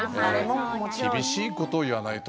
厳しいことを言わないと。